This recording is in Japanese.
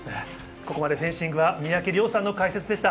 ここまでフェンシングは三宅諒さんの解説でした。